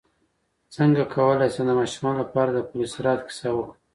څنګه کولی شم د ماشومانو لپاره د پل صراط کیسه وکړم